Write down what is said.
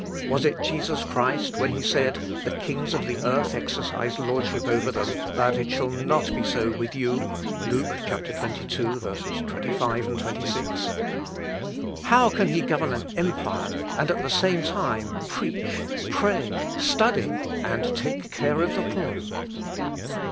Was it Jesus Christ, when he said, 'The kings of the earth exercise lordship over them, but it shall not be so with you'? (Luke, xxii, 25, 26). How can he govern an empire, and at the same time preach, pray, study, and take care of the poor?